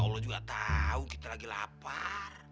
allah juga tahu kita lagi lapar